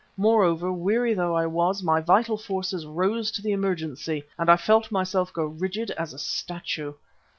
Moreover, weary though I was, my vital forces rose to the emergency and I felt myself grow rigid as a statue.